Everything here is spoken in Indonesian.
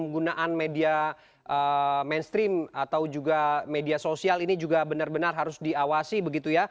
penggunaan media mainstream atau juga media sosial ini juga benar benar harus diawasi begitu ya